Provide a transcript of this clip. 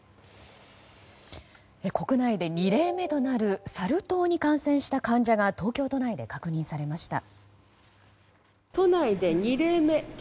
国内で２例目となるサル痘に感染した患者が東京都内で確認されました。